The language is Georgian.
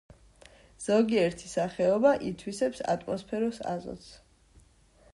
ზოგიერთი სახეობა ითვისებს ატმოსფეროს აზოტს.